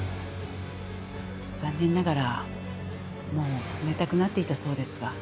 残念ながらもう冷たくなっていたそうですが。